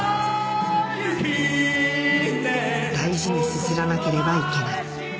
雪ねえ大事にすすらなければいけない